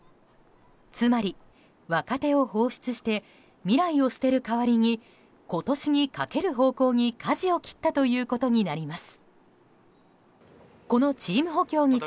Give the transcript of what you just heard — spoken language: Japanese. つまり若手を放出して未来を捨てる代わりに今年にかける方向にかじを切ったということになります。